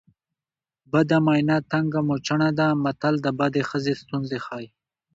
بده ماینه تنګه موچڼه ده متل د بدې ښځې ستونزې ښيي